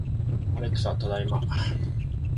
アレクサ、ただいま